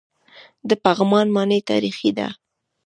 د پغمان ماڼۍ تاریخي ده